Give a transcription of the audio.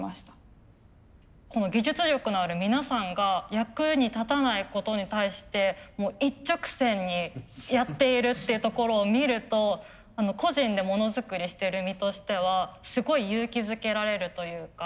この技術力のある皆さんが役に立たないことに対して一直線にやっているっていうところを見ると個人でモノづくりしてる身としてはすごい勇気づけられるというか。